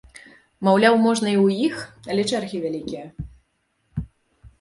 Маўляў, можна і ў іх, але чэргі вялікія.